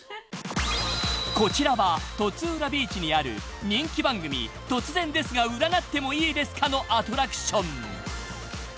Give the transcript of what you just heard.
［こちらは突占ビーチにある人気番組『突然ですが占ってもいいですか？』のアトラクション］